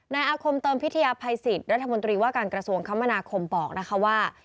อาคมเติมพิทยาภัยสิทธิ์รัฐมนตรีว่าการกระทรวงคมนาคมบอกนะคะว่า